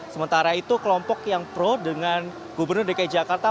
sementara itu kelompok yang pro dengan gubernur dki jakarta